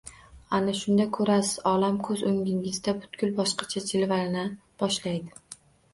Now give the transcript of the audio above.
Ana shunda ko‘rasiz — olam ko‘z o‘ngingizda butkul boshqacha jilvalana boshlaydi...